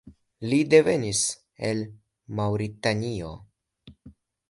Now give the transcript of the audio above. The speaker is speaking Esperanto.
Li devenis el Maŭritanio.